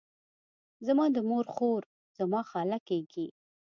زما د مور خور، زما خاله کیږي.